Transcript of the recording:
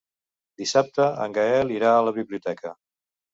Dissabte en Gaël irà a la biblioteca.